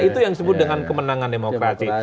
itu yang disebut dengan kemenangan demokrasi